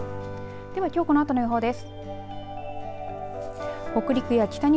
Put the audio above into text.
では、きょうこのあとの予報です。